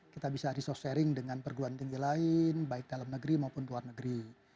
kita bisa resource sharing dengan perguruan tinggi lain baik dalam negeri maupun luar negeri